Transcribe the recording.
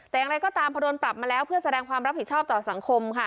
แต่อย่างไรก็ตามพอโดนปรับมาแล้วเพื่อแสดงความรับผิดชอบต่อสังคมค่ะ